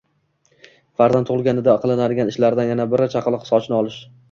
Farzand tug‘ilganida qilinadigan ishlardan yana biri – chaqaloq sochini olish.